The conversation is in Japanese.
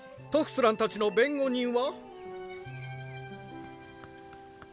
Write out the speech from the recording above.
トフスランたちの弁護人は？